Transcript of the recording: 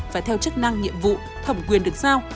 và theo chức năng nhiệm vụ thẩm quyền được giao